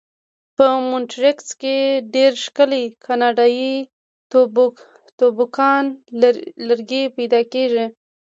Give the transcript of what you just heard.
په مونټریکس کې ډېر ښکلي کاناډایي توبوګان لرګي پیدا کېږي.